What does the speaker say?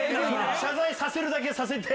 謝罪させるだけさせて？